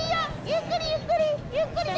ゆっくりゆっくり。